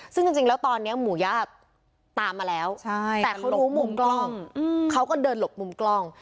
ซึ่งจริงแล้วตอนนี้หมู่ญาติตามมาแล้วแต่เขารู้มุมกล้องเขาก็เดินหลบมุมกล้อง